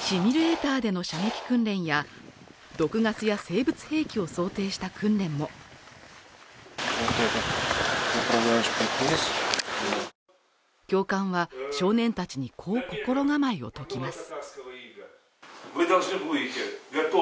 シミュレーターでの射撃訓練や毒ガスや生物兵器を想定した訓練も教官は少年たちにこう心構えを説きます